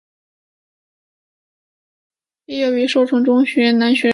毕业于寿春中学男学生陶汝坤。